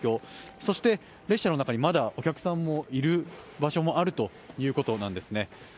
そして列車の中にまだお客さんもいる場所もあるということです。